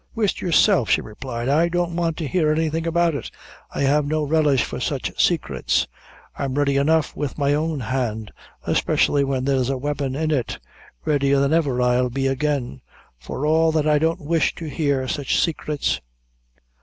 "Whisht yourself," she replied; "I don't want to hear anything about it; I have no relish for sich saicrets. I'm ready enough with my own hand, especially when there's a weapon in it readier then ever I'll be again; but for all that I don't wish to hear sich saicrets.